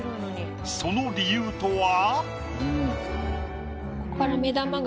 その理由とは？